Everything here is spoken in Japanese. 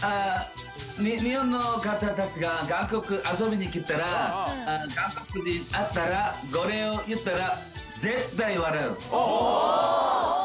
日本の方たちが韓国遊びに来たら、韓国で会ったら、これを言ったら、絶対笑う。